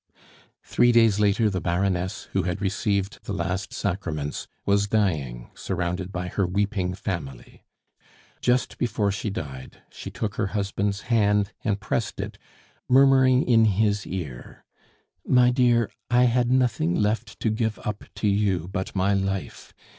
Three days later the Baroness, who had received the last sacraments, was dying, surrounded by her weeping family. Just before she died, she took her husband's hand and pressed it, murmuring in his ear: "My dear, I had nothing left to give up to you but my life.